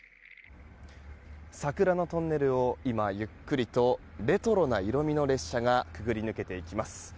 桜のトンネルを今、ゆっくりとレトロな色味の列車がくぐり抜けていきます。